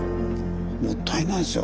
もったいないですよ